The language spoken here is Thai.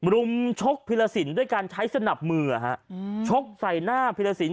รุมชกพิรสินด้วยการใช้สนับมือชกใส่หน้าพิรสิน